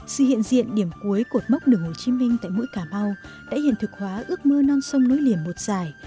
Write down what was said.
sự hiện diện điểm cuối cột mốc đường hồ chí minh tại mũi cà mau đã hiện thực hóa ước mơ non sông núi liền một dài